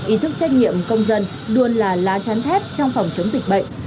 ý thức trách nhiệm công dân luôn là lá chắn thép trong phòng chống dịch bệnh